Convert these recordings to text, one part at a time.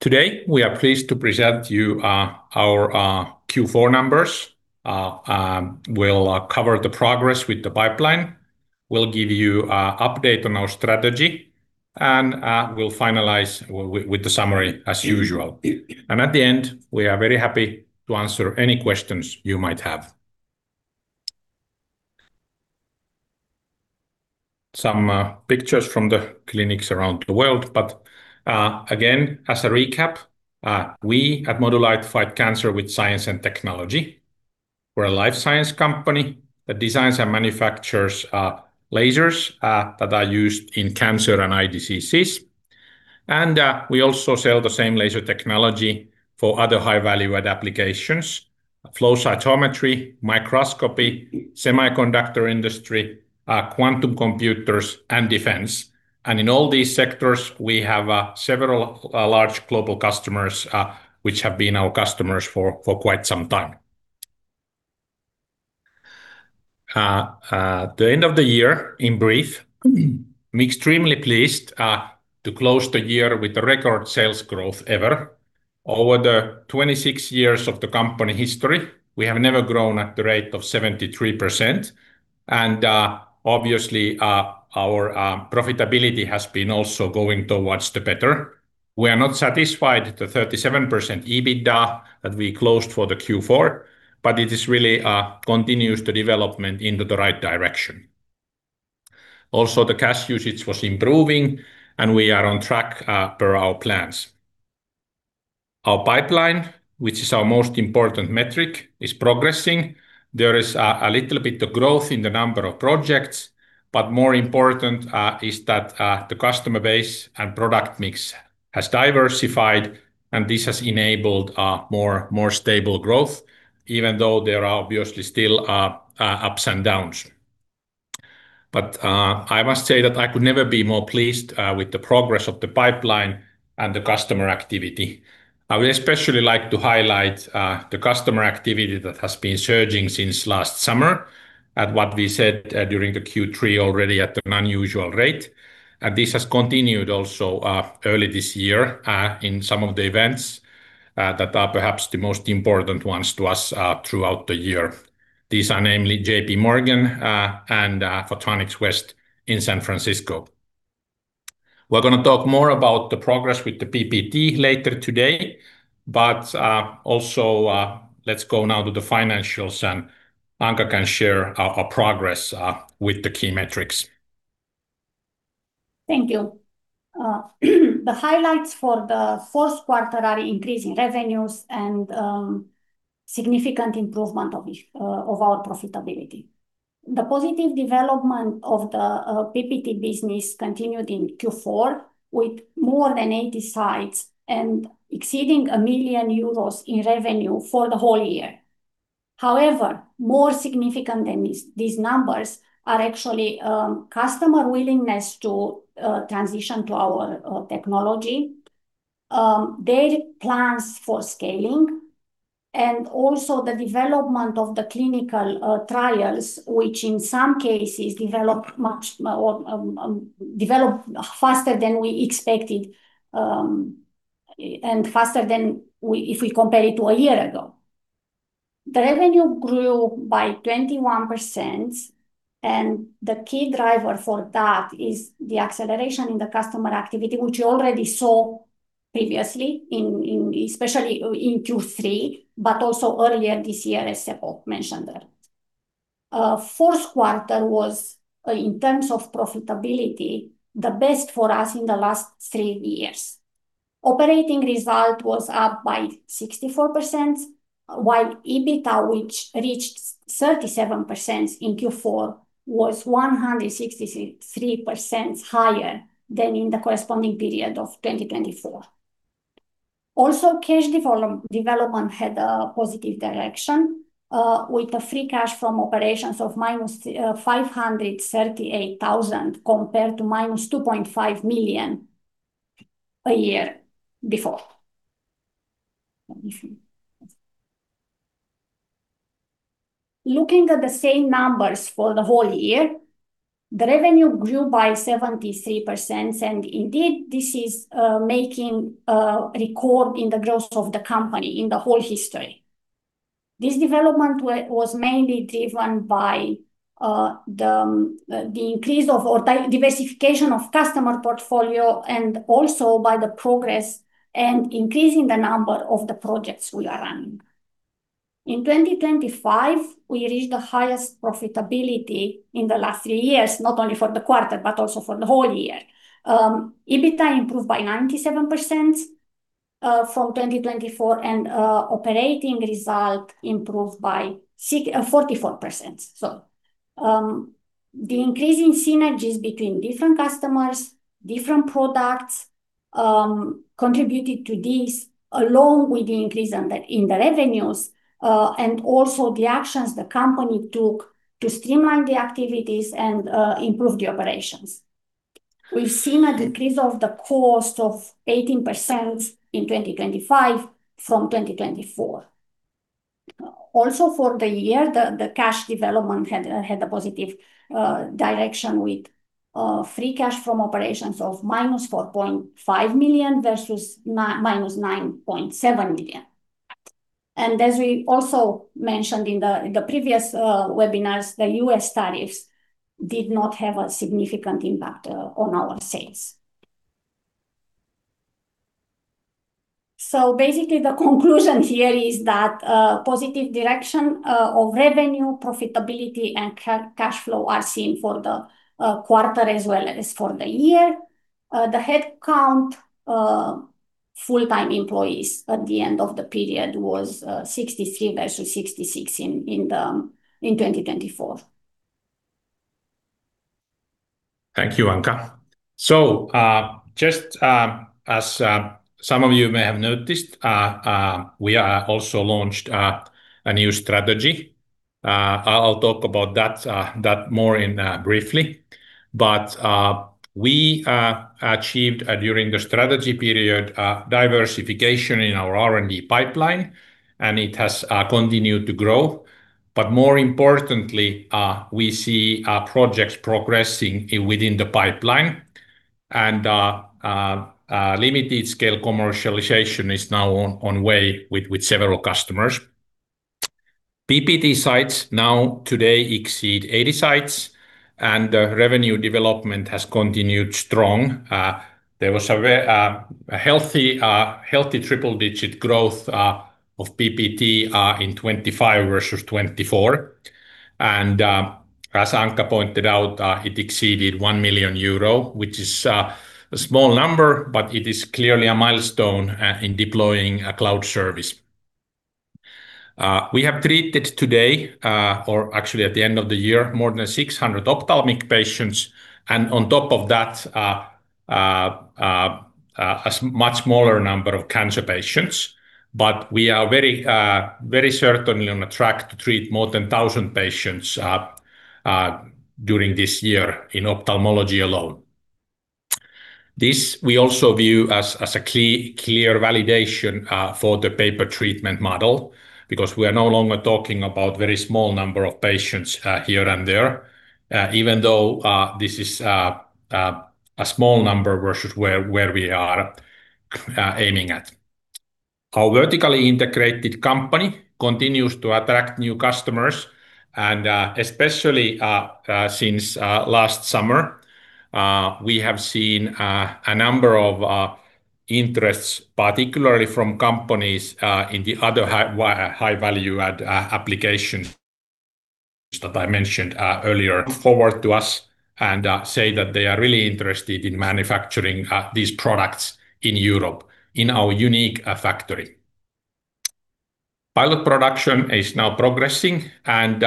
Today, we are pleased to present you our Q4 numbers. We'll cover the progress with the pipeline. We'll give you update on our strategy, and we'll finalize with the summary as usual. At the end, we are very happy to answer any questions you might have. Some pictures from the clinics around the world. But again, as a recap, we at Modulight fight cancer with science and technology. We're a life science company that designs and manufactures lasers that are used in cancer and eye diseases. And we also sell the same laser technology for other high value-add applications: flow cytometry, microscopy, semiconductor industry, quantum computers, and defense. And in all these sectors, we have several large global customers which have been our customers for quite some time. At the end of the year, in brief, I'm extremely pleased to close the year with the record sales growth ever. Over the 26 years of the company history, we have never grown at the rate of 73%, and, obviously, our profitability has been also going towards the better. We are not satisfied with the 37% EBITDA that we closed for the Q4, but it is really continuous development into the right direction. Also, the cash usage was improving, and we are on track per our plans. Our pipeline, which is our most important metric, is progressing. There is a little bit of growth in the number of projects, but more important is that the customer base and product mix has diversified, and this has enabled more stable growth, even though there are obviously still ups and downs. But I must say that I could never be more pleased with the progress of the pipeline and the customer activity. I would especially like to highlight the customer activity that has been surging since last summer, at what we said during the Q3, already at an unusual rate. And this has continued also early this year in some of the events that are perhaps the most important ones to us throughout the year. These are namely J.P. Morgan and Photonics West in San Francisco. We're gonna talk more about the progress with the PPT later today, but also, let's go now to the financials, and Anca can share our progress with the key metrics. Thank you. The highlights for the Q4 are increase in revenues and significant improvement of our profitability. The positive development of the PPT business continued in Q4, with more than 80 sites and exceeding 1 million euros in revenue for the whole year. However, more significant than these numbers are actually customer willingness to transition to our technology, their plans for scaling, and also the development of the clinical trials, which in some cases developed much developed faster than we expected, and faster than if we compare it to a year ago. The revenue grew by 21%, and the key driver for that is the acceleration in the customer activity, which we already saw previously especially in Q3, but also earlier this year, as Seppo mentioned there. Q4 was, in terms of profitability, the best for us in the last three years. Operating result was up by 64%, while EBITDA, which reached 37% in Q4, was 163% higher than in the corresponding period of 2024. Also, cash development had a positive direction, with the free cash from operations of -538,000 compared to -2.5 million a year before. Let me see. Looking at the same numbers for the whole year, the revenue grew by 73%, and indeed, this is making a record in the growth of the company in the whole history. This development was mainly driven by the increase or diversification of customer portfolio, and also by the progress and increase in the number of the projects we are running. In 2025, we reached the highest profitability in the last few years, not only for the quarter, but also for the whole year. EBITDA improved by 97%, from 2024, and operating result improved by forty-four percent. So, the increase in synergies between different customers, different products contributed to this, along with the increase in the revenues, and also the actions the company took to streamline the activities and improve the operations. We've seen a decrease of the cost of 18% in 2025 from 2024. Also for the year, the cash development had a positive direction with free cash from operations of -4.5 million versus -9.7 million. And as we also mentioned in the previous webinars, the U.S. tariffs did not have a significant impact on our sales. So basically, the conclusion here is that positive direction of revenue, profitability, and cash flow are seen for the quarter as well as for the year. The headcount full-time employees at the end of the period was 63 versus 66 in 2024. Thank you, Anca. Just as some of you may have noticed, we also launched a new strategy. I'll talk about that more briefly. We achieved, during the strategy period, diversification in our R&D pipeline, and it has continued to grow. More importantly, we see projects progressing within the pipeline, and limited scale commercialization is now on way with several customers. PPT sites now today exceed 80 sites, and the revenue development has continued strong. There was a healthy triple-digit growth of PPT in 2025 versus 2024. As Anca pointed out, it exceeded 1 million euro, which is a small number, but it is clearly a milestone in deploying a cloud service. We have treated today, or actually at the end of the year, more than 600 ophthalmic patients, and on top of that, a much smaller number of cancer patients. We are very, very certainly on track to treat more than 1,000 patients during this year in ophthalmology alone. This, we also view as a clear, clear validation for the Pay-Per-Treatment model, because we are no longer talking about very small number of patients here and there, even though this is a small number versus where we are aiming at. Our vertically integrated company continues to attract new customers, and especially since last summer we have seen a number of interests, particularly from companies in the other high-value add application that I mentioned earlier, come forward to us and say that they are really interested in manufacturing these products in Europe, in our unique factory. Pilot production is now progressing, and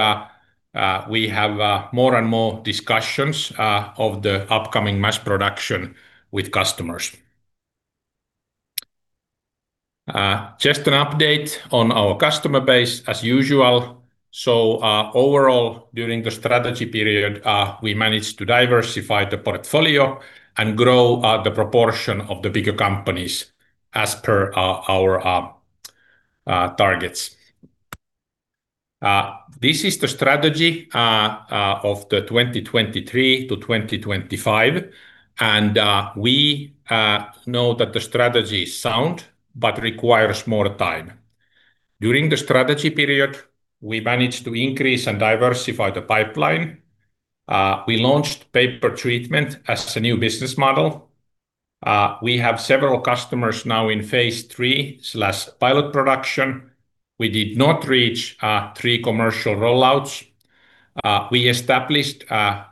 we have more and more discussions of the upcoming mass production with customers. Just an update on our customer base as usual. So, overall, during the strategy period, we managed to diversify the portfolio and grow the proportion of the bigger companies as per our targets. This is the strategy of the 2023 to 2025, and we know that the strategy is sound but requires more time. During the strategy period, we managed to increase and diversify the pipeline. We launched Pay-Per-Treatment as a new business model. We have several customers now in phase three/pilot production. We did not reach three commercial rollouts. We established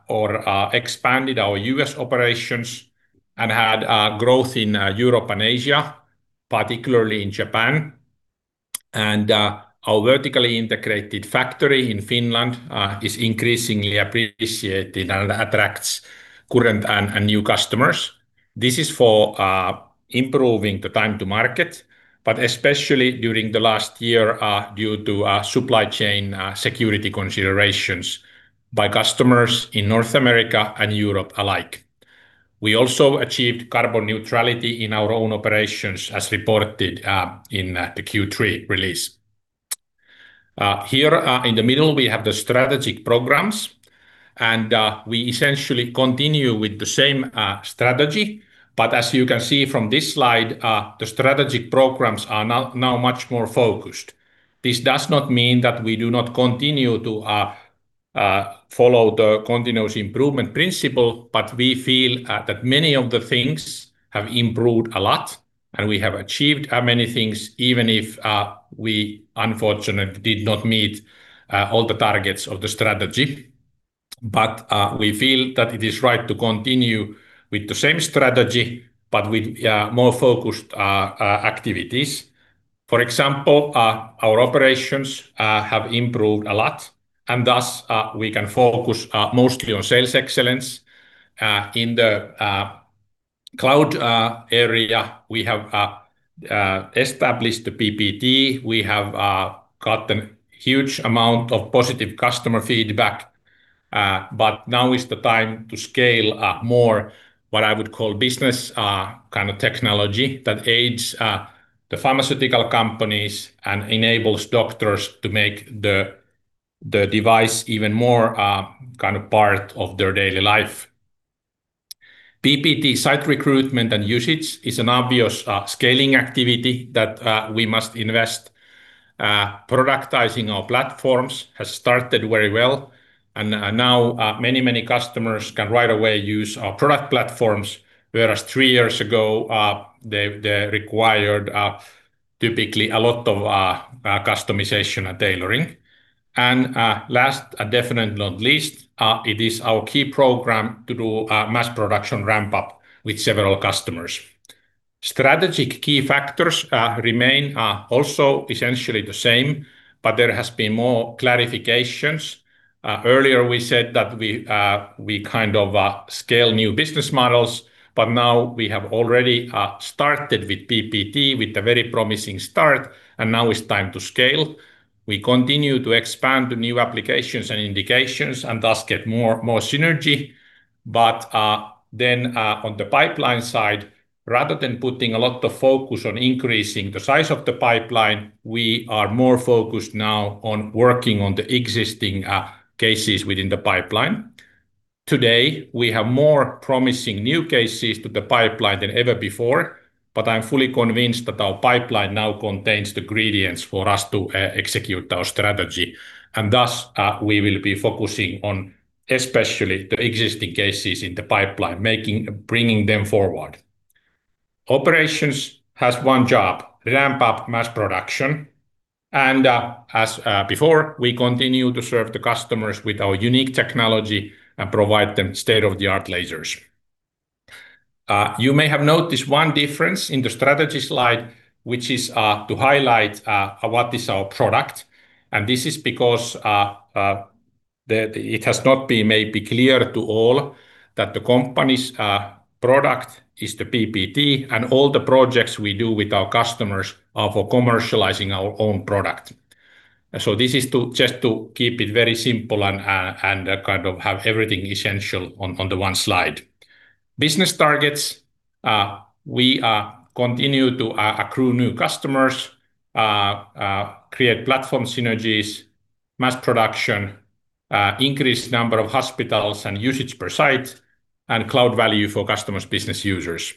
or expanded our US operations and had growth in Europe and Asia, particularly in Japan. Our vertically integrated factory in Finland is increasingly appreciated and attracts current and new customers. This is for improving the time to market, but especially during the last year, due to supply chain security considerations by customers in North America and Europe alike. We also achieved carbon neutrality in our own operations, as reported in the Q3 release. Here, in the middle, we have the strategic programs, and we essentially continue with the same strategy. As you can see from this slide, the strategic programs are now much more focused. This does not mean that we do not continue to follow the continuous improvement principle, but we feel that many of the things have improved a lot, and we have achieved many things, even if we unfortunately did not meet all the targets of the strategy. We feel that it is right to continue with the same strategy, but with more focused activities. For example, our operations have improved a lot, and thus we can focus mostly on sales excellence. In the cloud area, we have established the PPT. We have gotten huge amount of positive customer feedback, but now is the time to scale more what I would call business kind of technology that aids the pharmaceutical companies and enables doctors to make the device even more kind of part of their daily life. PPT site recruitment and usage is an obvious scaling activity that we must invest. Productizing our platforms has started very well, and now many, many customers can right away use our product platforms, whereas three years ago, they required typically a lot of customization and tailoring. Last, and definitely not least, it is our key program to do a mass production ramp-up with several customers. Strategic key factors remain also essentially the same, but there has been more clarifications. Earlier we said that we kind of scale new business models, but now we have already started with PPT with a very promising start, and now it's time to scale. We continue to expand the new applications and indications, and thus get more, more synergy. But then, on the pipeline side, rather than putting a lot of focus on increasing the size of the pipeline, we are more focused now on working on the existing cases within the pipeline. Today, we have more promising new cases to the pipeline than ever before, but I'm fully convinced that our pipeline now contains the ingredients for us to execute our strategy. And thus, we will be focusing on especially the existing cases in the pipeline, bringing them forward. Operations has one job, ramp up mass production, and, as before, we continue to serve the customers with our unique technology and provide them state-of-the-art lasers. You may have noticed one difference in the strategy slide, which is to highlight what is our product, and this is because it has not been maybe clear to all that the company's product is the PPT, and all the projects we do with our customers are for commercializing our own product. So this is just to keep it very simple and kind of have everything essential on the one slide. Business targets, we continue to accrue new customers, create platform synergies, mass production, increase number of hospitals, and usage per site, and cloud value for customers' business users.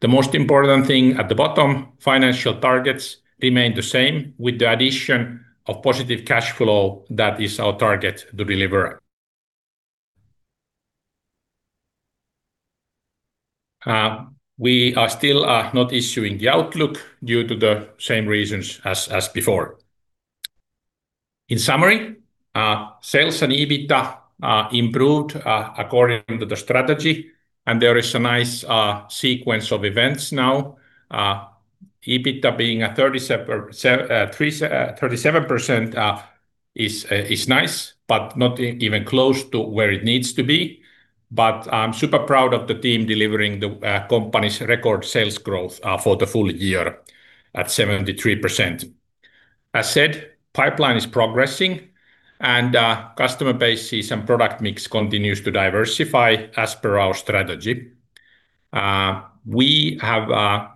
The most important thing at the bottom, financial targets remain the same, with the addition of positive cash flow. That is our target to deliver. We are still not issuing the outlook due to the same reasons as before. In summary, sales and EBITDA improved according to the strategy, and there is a nice sequence of events now. EBITDA being 37%, is nice, but not even close to where it needs to be. I'm super proud of the team delivering the company's record sales growth for the full year at 73%. As said, pipeline is progressing, and customer base size and product mix continues to diversify as per our strategy. We have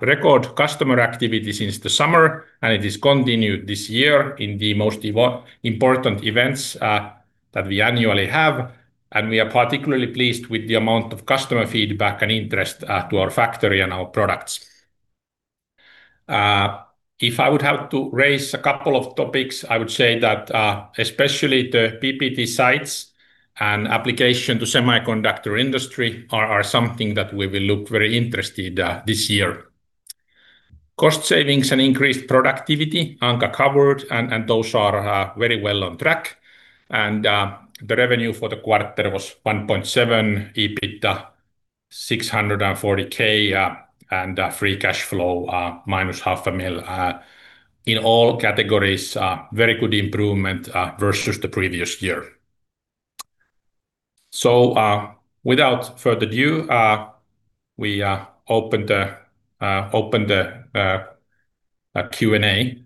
record customer activity since the summer, and it has continued this year in the most important events that we annually have, and we are particularly pleased with the amount of customer feedback and interest to our factory and our products. If I would have to raise a couple of topics, I would say that especially the PPT sites and application to semiconductor industry are something that we will look very interested this year. Cost savings and increased productivity Anca covered, and those are very well on track, and the revenue for the quarter was 1.7 million, EBITDA 640,000, and free cash flow -0.5 million. In all categories, very good improvement versus the previous year. Without further ado, we open the Q&A.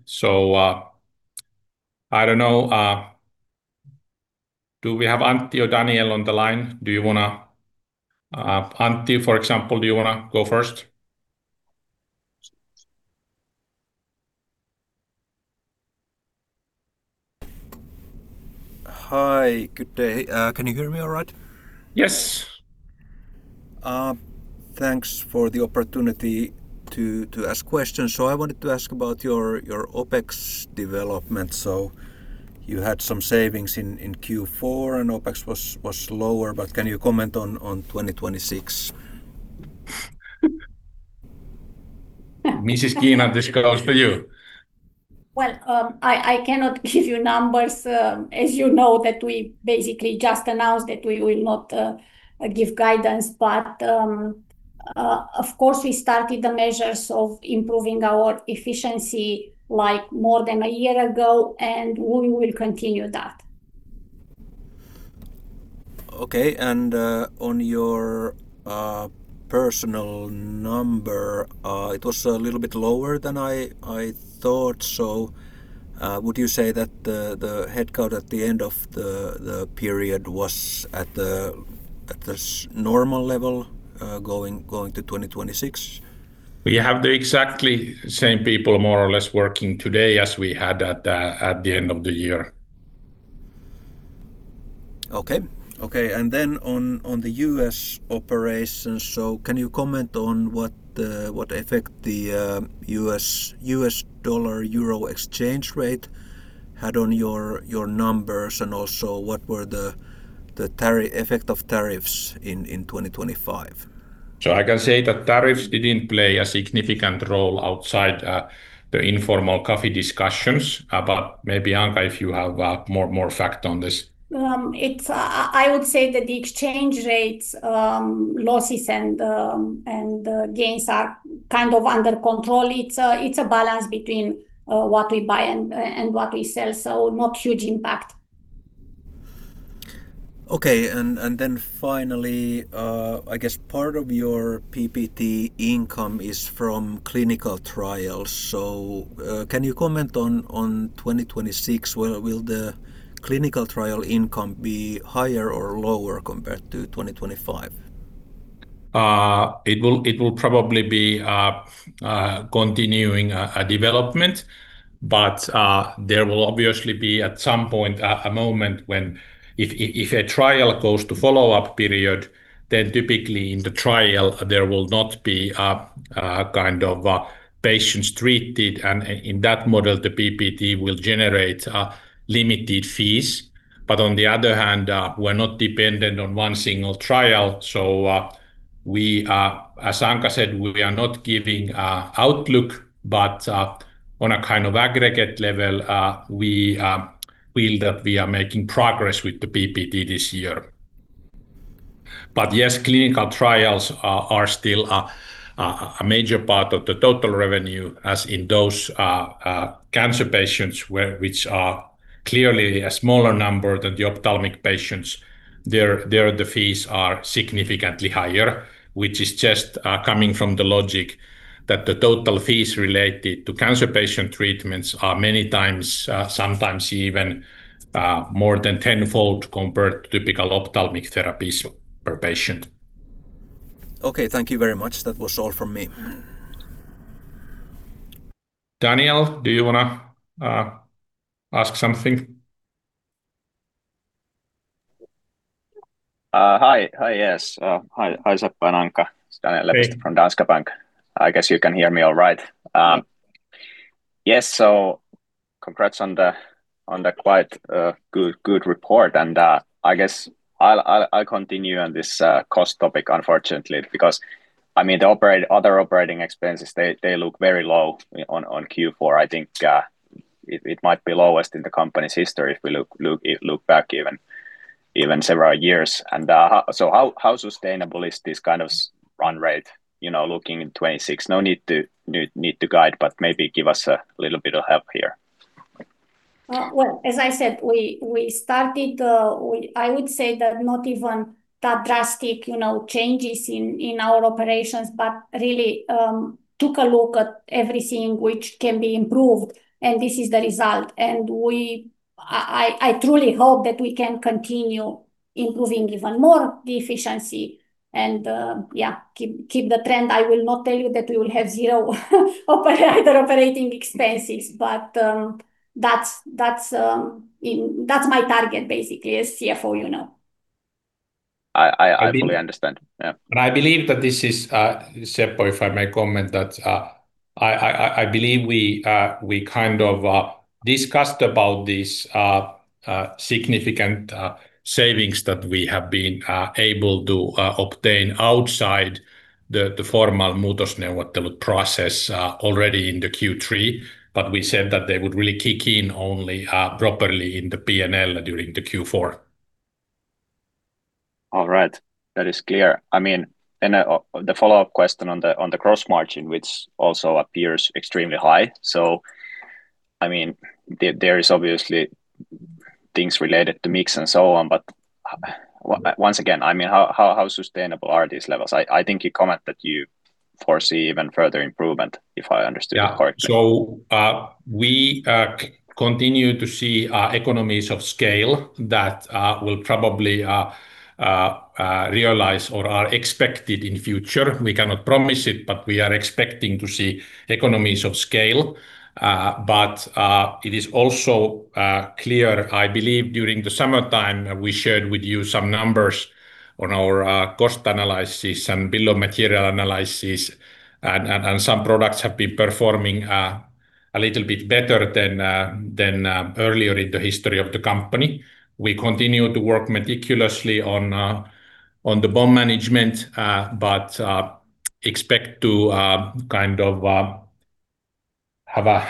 I don't know, do we have Antti or Daniel on the line? Do you wanna... Antti, for example, do you wanna go first? Hi, good day. Can you hear me all right? Yes. Thanks for the opportunity to ask questions. So I wanted to ask about your OpEx development. So you had some savings in Q4, and OpEx was lower, but can you comment on 2026? Mrs. Guina, this goes for you. Well, I cannot give you numbers. As you know, that we basically just announced that we will not give guidance, but, of course, we started the measures of improving our efficiency, like, more than a year ago, and we will continue that. Okay, and on your personal number, it was a little bit lower than I thought. Would you say that the headcount at the end of the period was at the normal level, going to 2026? We have the exactly same people, more or less, working today as we had at the end of the year. Okay. Okay, and then on the U.S. operations, so can you comment on what effect the U.S. dollar-euro exchange rate had on your numbers? And also what were the effect of tariffs in 2025? So I can say that tariffs didn't play a significant role outside the informal coffee discussions. But maybe, Anca, if you have more fact on this. I would say that the exchange rates, losses and gains are kind of under control. It's a balance between what we buy and what we sell, so not huge impact. Okay, and then finally, I guess part of your PPT income is from clinical trials. So, can you comment on 2026, will the clinical trial income be higher or lower compared to 2025? It will probably be continuing a development, but there will obviously be, at some point, a moment when if a trial goes to follow-up period, then typically in the trial, there will not be a kind of patients treated, and in that model, the PPT will generate limited fees. But on the other hand, we're not dependent on one single trial. So, as Anca said, we are not giving a outlook, but on a kind of aggregate level, we feel that we are making progress with the PPT this year. But yes, clinical trials are still a major part of the total revenue, as in those cancer patients which are clearly a smaller number than the ophthalmic patients. There, the fees are significantly higher, which is just coming from the logic that the total fees related to cancer patient treatments are many times, sometimes even more than tenfold compared to typical ophthalmic therapies per patient. Okay, thank you very much. That was all from me. Daniel, do you wanna ask something? Hi. Hi, yes. Hi, Seppo and Anca. Hey. It's Daniel from Danske Bank. I guess you can hear me all right. Yes, congrats on the, on the quite, good, good report. I guess I'll, I'll continue on this, cost topic, unfortunately, because, I mean, the other operating expenses, they look very low on Q4. I think it might be lowest in the company's history if we look, look, look back even, even several years. How sustainable is this kind of run rate, you know, looking in 2026? No need to need to guide, but maybe give us a little bit of help here. Well, as I said, we started, I would say that not even that drastic, you know, changes in our operations, but really took a look at everything which can be improved, and this is the result. We, I, I truly hope that we can continue improving even more the efficiency and, yeah, keep the trend. I will not tell you that we will have zero other operating expenses, but that's my target, basically, as CFO, you know. I fully understand. Yeah. I believe that this is, Seppo, if I may comment, that I believe we kind of discussed about this significant savings that we have been able to obtain outside the pharma. All right.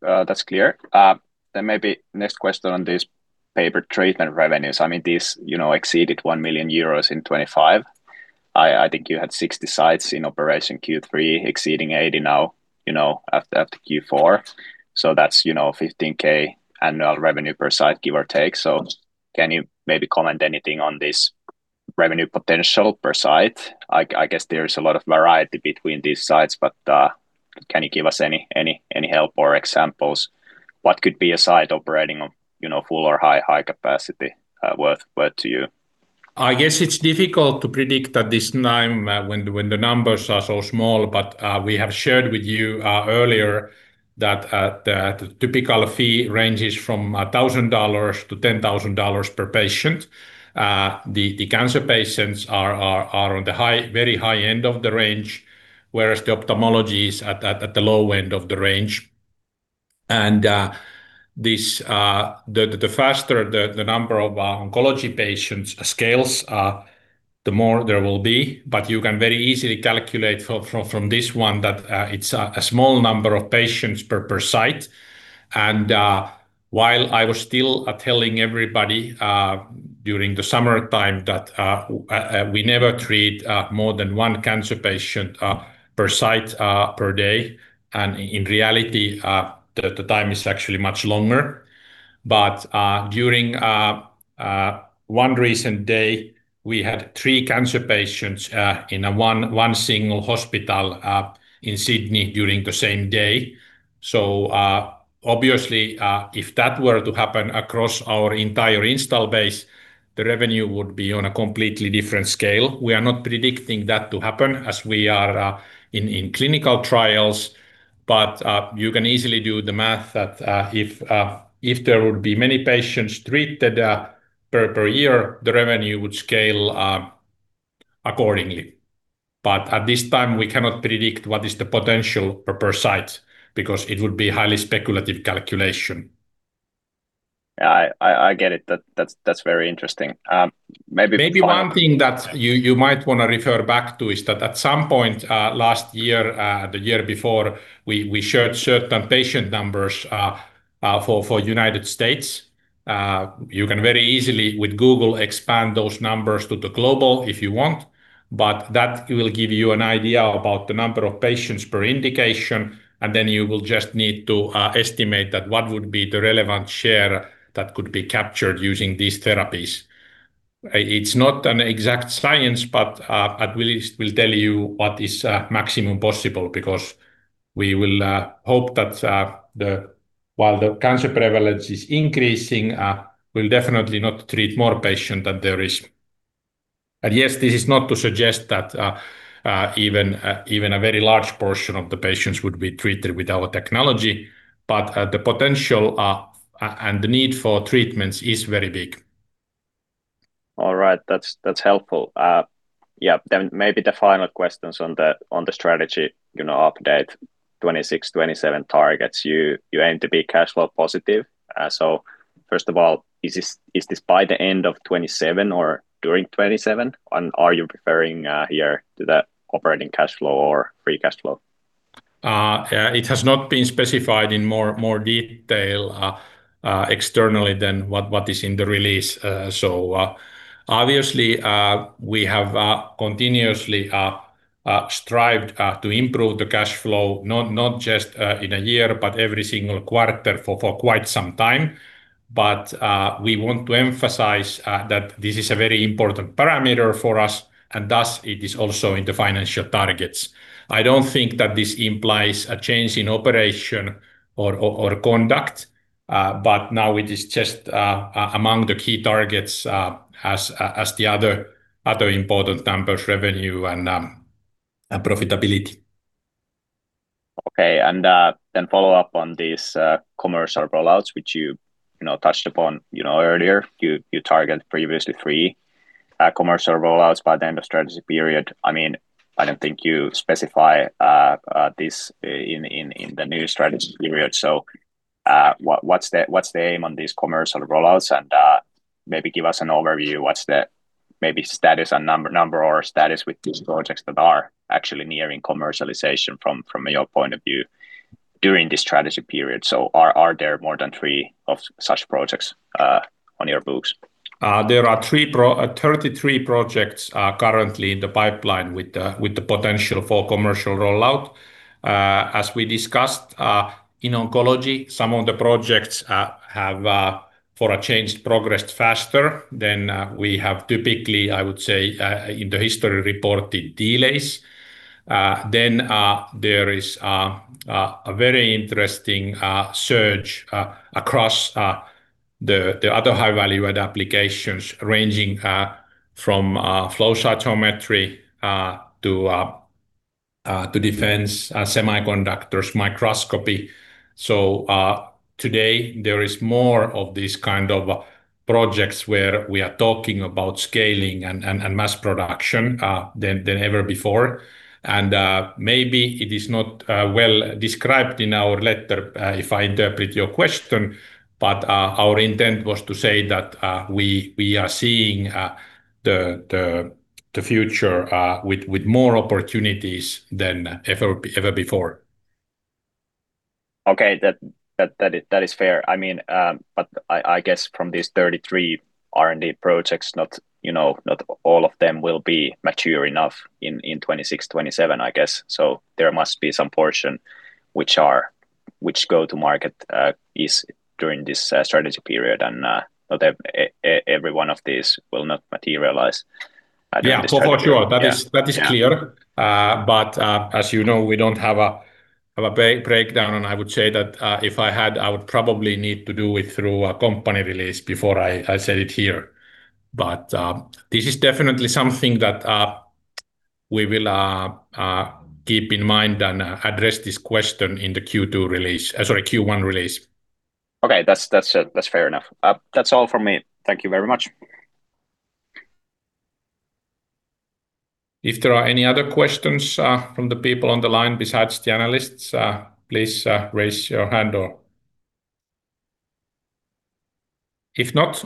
That's clear. Then maybe next question on this Pay-Per-Treatment revenues. I mean, this, you know, exceeded EUR 1 million in 2025. I think you had 60 sites in operation Q3, exceeding 80 now, you know, after Q4. So that's, you know, 15,000 annual revenue per site, give or take. So can you maybe comment anything on this revenue potential per site? I guess there is a lot of variety between these sites, but, can you give us any help or examples? What could be a site operating on, you know, full or high capacity, worth to you? I guess it's difficult to predict at this time, when the numbers are so small. But we have shared with you earlier that the typical fee ranges from $1,000-$10,000 per patient. The cancer patients are on the very high end of the range, whereas the ophthalmology is at the low end of the range. And the faster the number of oncology patients scales, the more there will be. But you can very easily calculate from this one that it's a small number of patients per site. While I was still telling everybody during the summertime that we never treat more than one cancer patient per site per day, and in reality, the time is actually much longer. During one recent day, we had three cancer patients in one single hospital in Sydney during the same day. Obviously, if that were to happen across our entire install base, the revenue would be on a completely different scale. We are not predicting that to happen as we are in clinical trials, but you can easily do the math that if there would be many patients treated per year, the revenue would scale accordingly. But at this time, we cannot predict what is the potential per site, because it would be highly speculative calculation. Yeah, I get it. That's very interesting. Maybe- Maybe one thing that you might wanna refer back to is that at some point, last year, the year before, we shared certain patient numbers for United States. You can very easily, with Google, expand those numbers to the global if you want, but that will give you an idea about the number of patients per indication, and then you will just need to estimate that what would be the relevant share that could be captured using these therapies. It's not an exact science, but at least we'll tell you what is maximum possible, because we will hope that while the cancer prevalence is increasing, we'll definitely not treat more patient than there is. Yes, this is not to suggest that even a very large portion of the patients would be treated with our technology, but the potential and the need for treatments is very big. All right. That's, that's helpful. Yeah, then maybe the final questions on the, on the strategy, you know, update 2026, 2027 targets. You, you aim to be cash flow positive. So first of all, is this, is this by the end of 2027 or during 2027? And are you referring, here to the operating cash flow or free cash flow? Yeah, it has not been specified in more detail externally than what is in the release. So, obviously, we have continuously strived to improve the cash flow, not just in a year, but every single quarter for quite some time. But we want to emphasize that this is a very important parameter for us, and thus, it is also in the financial targets. I don't think that this implies a change in operation or conduct, but now it is just among the key targets, as the other important numbers, revenue and profitability. Okay, and then follow up on this commercial rollouts, which you, you know, touched upon, you know, earlier. You, you targeted previously 3 commercial rollouts by the end of strategy period. I mean, I don't think you specify this in the new strategy period. So, what, what's the, what's the aim on these commercial rollouts? And maybe give us an overview, what's the maybe status and number, number or status with these projects that are actually nearing commercialization from, from your point of view during this strategy period. So are, are there more than 3 of such projects on your books? There are 33 projects currently in the pipeline with the potential for commercial rollout. As we discussed, in oncology, some of the projects have, for a change, progressed faster than we have typically, I would say, in the history, reported delays. Then, there is a very interesting surge across the other high value-add applications, ranging from flow cytometry to defense, semiconductors, microscopy. So, today there is more of these kind of projects where we are talking about scaling and mass production than ever before. And, maybe it is not well described in our letter, if I interpret your question, but our intent was to say that we are seeing the future with more opportunities than ever before. Okay, that is fair. I mean, I guess from these 33 R&D projects, not, you know, not all of them will be mature enough in 2026, 2027, I guess. There must be some portion which go to market during this strategy period, and not every one of these will materialize during this. Yeah, for sure. Yeah. That is, that is clear. Yeah. As you know, we don't have a breakdown, and I would say that if I had, I would probably need to do it through a company release before I said it here. This is definitely something that we will keep in mind and address this question in the Q2 release sorry, Q1 release. Okay, that's fair enough. That's all from me. Thank you very much. If there are any other questions from the people on the line besides the analysts, please raise your hand or If not,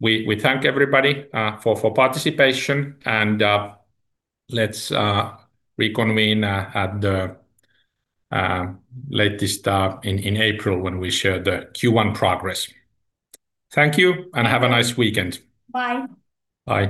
we thank everybody for participation, and let's reconvene at the latest in April when we share the Q1 progress. Thank you, and have a nice weekend. Bye. Bye.